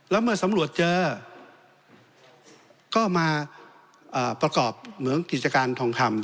แล้วเมื่อสำรวจเจอก็มาประกอบเหมืองกิจการทองคำ